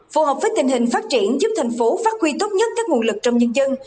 phù hợp với tình hình phát triển giúp thành phố phát huy tốt nhất các nguồn lực trong nhân dân